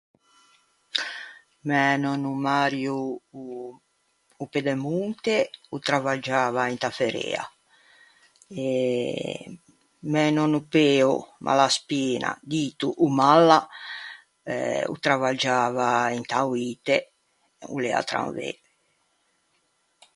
Mæ nònno Mario o o Pedemonte o travaggiava inta ferrea. E... mæ nònno Peo Malaspina, dito o Malla, o travaggiava inta UITE. O l'ea tranvê.